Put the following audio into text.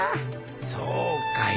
そうかい。